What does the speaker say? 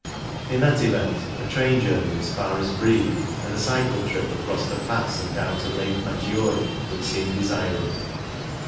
In that event a train journey as far as Brieg, and a cycle trip across the Pass and down to Lake Maggiore would seem desirable.